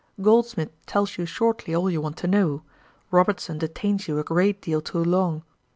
Goldsmith tells you shortly all you want to know: Robertson detains you a great deal too long.